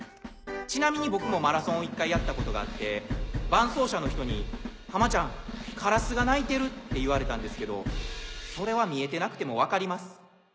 ちなみに僕もマラソンを１回やったことがあって伴走者の人に「濱ちゃんカラスが鳴いてる」って言われたんですけどそれは見えてなくても分かります。